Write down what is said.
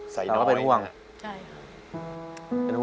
แต่ก็เป็นห่วงนะครับอะไรงั้นเนอะ